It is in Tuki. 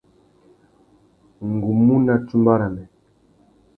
Ngu mú nà tsumba râmê.